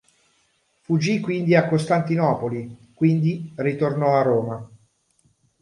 Fuggì quindi a Costantinopoli, quindi ritornò a Roma.